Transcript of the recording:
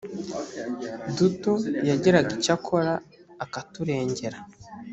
duto yagiraga icyo akora akaturengera